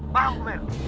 paham bu mer